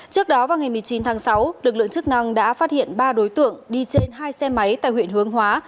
trước đó vào ngày một mươi chín tháng sáu lực lượng chức năng đã phát hiện ba đối tượng đi trên hai xe máy tại huyện hướng hóa